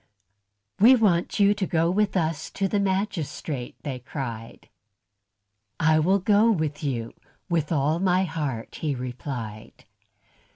"We want you to go with us to the magistrate," they cried. "I will go with you with all my heart," he replied.